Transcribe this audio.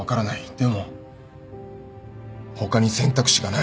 でも他に選択肢がない。